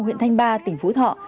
huyện thanh ba tỉnh phú thọ